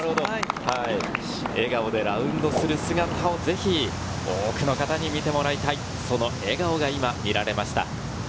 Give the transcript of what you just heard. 笑顔でラウンドする姿をぜひ多くの方に見てもらいたい、その笑顔が見られました。